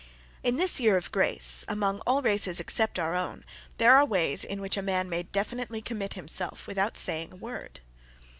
In this year of grace, among all races except our own, there are ways in which a man may definitely commit himself without saying a word.